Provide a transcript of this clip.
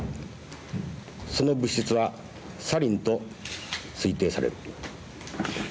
その物質はサリンと推定される。